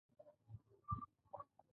په دې کې د کارکوونکي دندې وي.